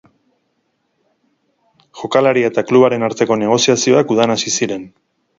Jokalaria eta klubaren arteko negoziazioak udan hasi ziren.